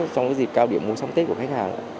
trong dịp cao điểm mua sắm tết của khách hàng